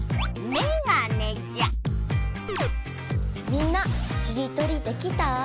みんなしりとりできた？